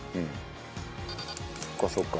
そっかそっか。